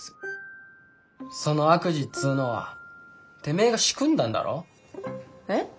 その悪事っつうのはてめえが仕組んだんだろ？え？